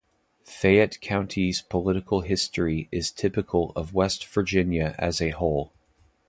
Fayette County's political history is typical of West Virginia as a whole.